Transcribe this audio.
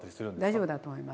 大丈夫だと思います。